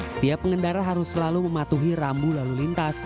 setiap pengendara harus selalu mematuhi rambu lalu lintas